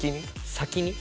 先に？